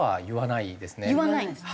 言わないんですか？